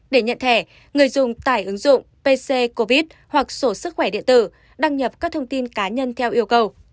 để nhận thẻ người dùng tải ứng dụng pc covid hoặc sổ sức khỏe điện tử đăng nhập các thông tin cá nhân theo yêu cầu